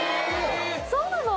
そうなの？